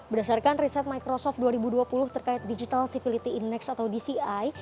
berdasarkan riset microsoft dua ribu dua puluh terkait digital civility index atau dci